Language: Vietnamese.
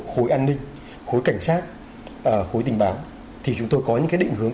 khối an ninh khối cảnh sát khối tình báo thì chúng tôi có những định hướng